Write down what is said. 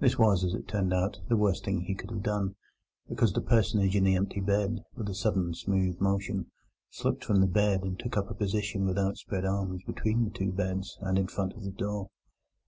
This was, as it turned out, the worst thing he could have done, because the personage in the empty bed, with a sudden smooth motion, slipped from the bed and took up a position, with outspread arms, between the two beds, and in front of the door.